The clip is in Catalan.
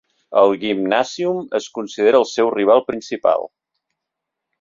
El Gymnasium es considera el seu rival principal.